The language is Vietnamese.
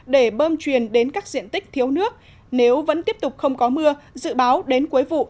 để bơm truyền đến các diện tích thiếu nước nếu vẫn tiếp tục không có mưa dự báo đến cuối vụ